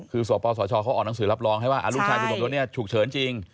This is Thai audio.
คือสปสชเขาออกหนังสือรับรองให้ว่าลูกชายคุณสมยศเนี่ยฉุกเฉินจริง